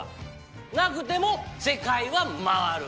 なくても世界は回る。